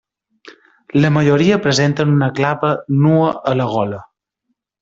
La majoria presenten una clapa nua a la gola.